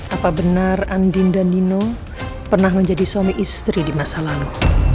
apa benar andin dan nino pernah menjadi suami istri di masa lalu